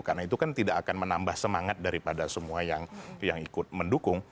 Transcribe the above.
karena itu kan tidak akan menambah semangat daripada semua yang ikut mendukung